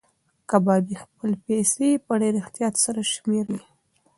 کبابي خپلې پیسې په ډېر احتیاط سره شمېرلې.